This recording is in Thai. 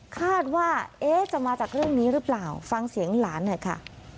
ว่าจะมาจากเรื่องนี้หรือเปล่าฟังเสียงหลานหน่อยค่ะ